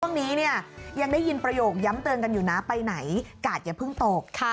ช่วงนี้เนี่ยยังได้ยินประโยคย้ำเตือนกันอยู่นะไปไหนกาดอย่าเพิ่งตก